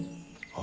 あ。